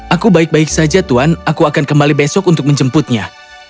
aku baik baik saja tuan aku akan kembali besok untuk menjemputnya